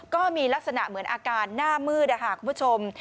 ก็มีลักษณะเหมือนอาการหน้ามืดคุณผู้ชม